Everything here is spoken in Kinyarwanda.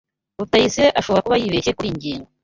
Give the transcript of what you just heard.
Rutayisire ashobora kuba yibeshye kuriyi ngingo.